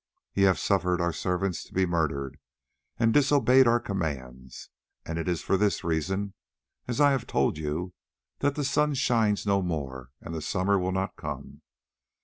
Ye have suffered our servants to be murdered, and disobeyed our commands, and it is for this reason, as I have told you, that the sun shines no more and the summer will not come.